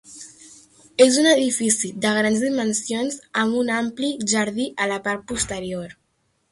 És un edifici de grans dimensions, amb un ampli jardí a la part posterior.